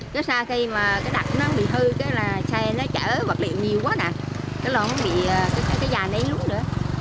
cái xa kia mà cái đặt nó bị thư cái xe nó chở vật liệu nhiều quá nè cái lò nó bị cái dài này lúng nữa